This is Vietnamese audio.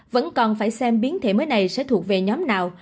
vẫn còn phải xem biến thể mới này sẽ thuộc về nhóm nào